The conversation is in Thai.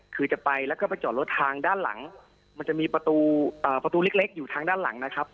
คือจะไปแล้วก็ไปจอดรถทางด้านหลังมันจะมีประตูประตูเล็กอยู่ทางด้านหลังนะครับ